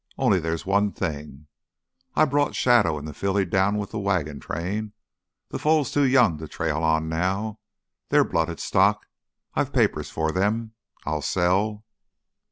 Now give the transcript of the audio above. Only—there's one thing—I brought Shadow and the filly down with the wagon train. The foal's too young to trail on now. They're blooded stock. I've papers for them. I'll sell...."